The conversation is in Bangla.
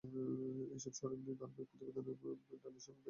এসব সড়ক নিয়ে ধারাবাহিক প্রতিবেদনপিচঢালাই ভেঙে সড়কের দুই পাশ ঢালু হয়ে গেছে।